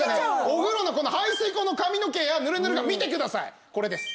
お風呂の排水口の髪の毛やぬるぬるが見てくださいこれです。